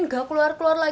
mereka mau curhat tuh